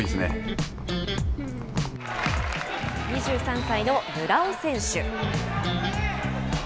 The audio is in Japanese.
２３歳の村尾選手。